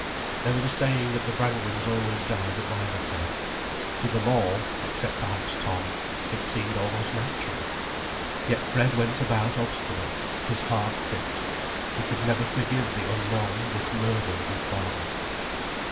There was a saying that the Brangwens always died a violent death. To them all, except perhaps Tom, it seemed almost natural. Yet Fred went about obstinate, his heart fixed. He could never forgive the Unknown this murder of his father.